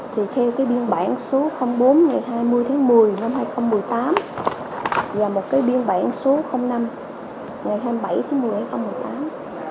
thì theo cái biên bản số bốn ngày hai mươi tháng một mươi năm hai nghìn một mươi tám và một cái biên bản số năm ngày hai mươi bảy tháng một mươi hai nghìn một mươi tám